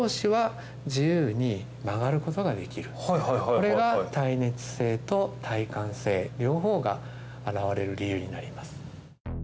これが耐熱性と耐寒性両方が現れる理由になります。